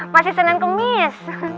pasti senang kemis